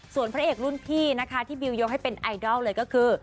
ส่วนพระเอกรุ่นพี่นะคะที่บิวยกให้เป็นไอดอลเลยก็คือ